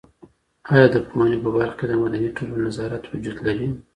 آیا د پوهنې په برخه کي د مدني ټولنو نظارت وجود لري؟